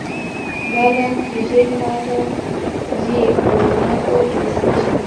دا لار کوزۍ خوا ته ځي او زما کور ته رسیږي